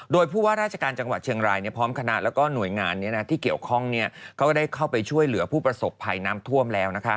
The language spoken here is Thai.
โดยผู้ว่าราชการจังหวัดเชียงรายพร้อมคณะแล้วก็หน่วยงานที่เกี่ยวข้องก็ได้เข้าไปช่วยเหลือผู้ประสบภัยน้ำท่วมแล้ว